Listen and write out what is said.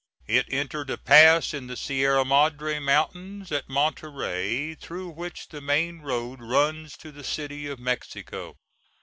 It entered a pass in the Sierra Madre Mountains, at Monterey, through which the main road runs to the City of Mexico.